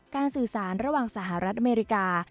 สื่อสารระหว่างสหรัฐอเมริกา